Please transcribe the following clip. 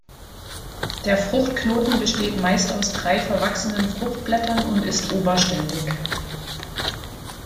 Der Fruchtknoten besteht meist aus drei verwachsenen Fruchtblättern und ist oberständig.